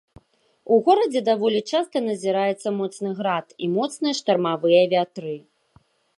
У горадзе даволі часта назіраецца моцны град і моцныя штармавыя вятры.